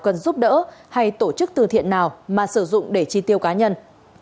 cần giúp đỡ hay tổ chức từ thiện nào mà sử dụng để chi tiêu cá nhân